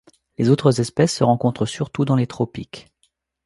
Les autres espèces se rencontrent surtout dans les Tropiques.